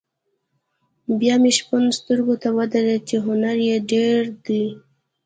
بیا مې شپون سترګو ته ودرېد چې هنر یې ډېر دی.